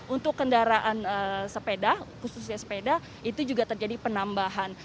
untuk kendaraan sepeda khususnya sepeda itu juga terjadi penambahan